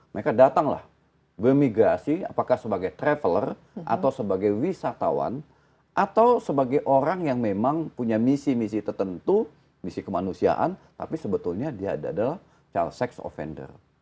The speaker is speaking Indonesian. mereka datanglah bermigrasi apakah sebagai traveler atau sebagai wisatawan atau sebagai orang yang memang punya misi misi tertentu misi kemanusiaan tapi sebetulnya dia adalah child sex offender